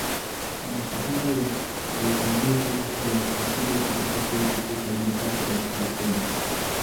Ana Shahada ya uzamivu ya Fasihi kutoka chuo kikuu cha University of California.